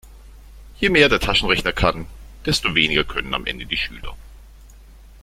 Je mehr der Taschenrechner kann, desto weniger können am Ende die Schüler.